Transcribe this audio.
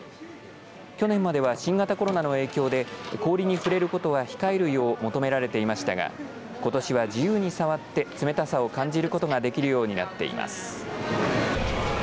去年までは新型コロナの影響で氷に触れることは控えるよう求められていましたがことしは自由に触って冷たさを感じることができるようになっています。